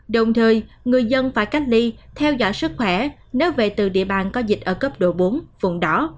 đồng thời người dân phải cách ly theo dõi sức khỏe nếu về từ địa bàn có dịch ở cấp độ bốn phùng đỏ